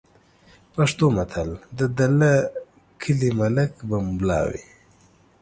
پښتو متل: "د دله کلي ملک به مُلا وي"